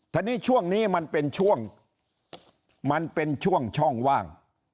ทีนี้ช่วงนี้มันเป็นช่วงมันเป็นช่วงช่องว่าง